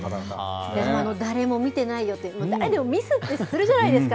誰も見てないよって、誰でもミスってするじゃないですか。